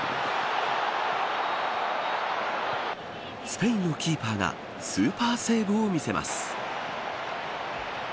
スペインのキーパーがスーパーセーブを見せます。